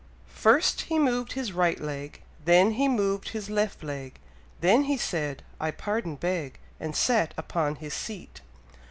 First he moved his right leg, Then he moved his left leg, Then he said, "I pardon beg," And sat upon his seat.